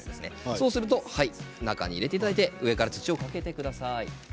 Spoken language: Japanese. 中に入れていただいて上から土をかけてください。